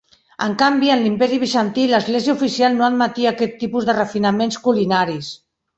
En canvi en l'imperi Bizantí l'església oficial no admetia aquest tipus de refinaments culinaris.